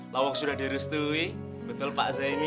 lawak sudah direstui betul pak zaini